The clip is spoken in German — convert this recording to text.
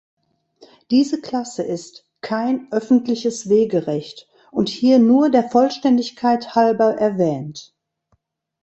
Diese Klasse ist "kein öffentliches Wegerecht" und hier nur der Vollständigkeit halber erwähnt.